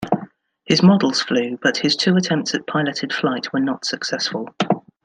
His models flew, but his two attempts at piloted flight were not successful.